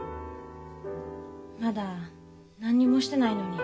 まだ何にもしてないのに。